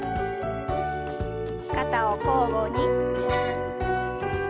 肩を交互に。